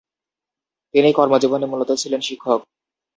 তিনি কর্মজীবনে মূলত ছিলেন শিক্ষক।